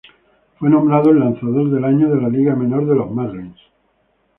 Fue nombrado el Lanzador del Año de la Liga Menor de los Marlins.